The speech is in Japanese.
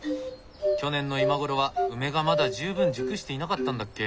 去年の今頃は梅がまだ十分熟していなかったんだっけ。